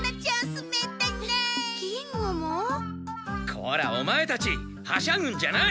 こらオマエたちはしゃぐんじゃない！